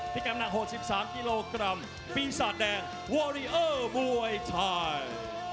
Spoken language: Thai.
พิกามนัก๖๓กิโลกรัมปีศาจแดงวอร์ยอร์บวยไทย